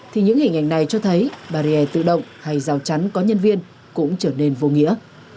thì những hình ảnh này cho thấy bàrrier tự động hay rào chắn có nhân viên cũng trở nên vô nghĩa